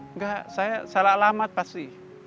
enggak saya salah alamat pasti